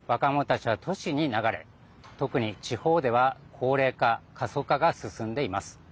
しかし、経済が発展し若者たちは都市に流れ特に地方では高齢化、過疎化が進んでいます。